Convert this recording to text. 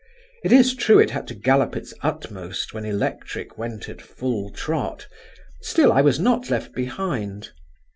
It is true it had to gallop its utmost, when Electric went at full trot, still I was not left behind.